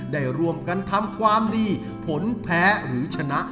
รวมกันทำความดีผลแพ้หรือชนะ